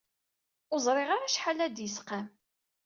Ur ẓriɣ ara acḥal ara d-isqam.